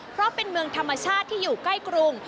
เพราะเป็นเมืองธรรมชาติที่อยู่ใกล้กรุง